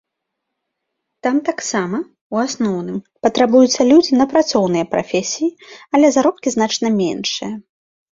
Там таксама, у асноўным, патрабуюцца людзі на працоўныя прафесіі, але заробкі значна меншыя.